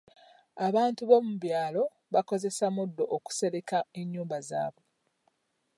Abantu b'omu byalo bakozesa muddo okusereka ennyumba zaabwe.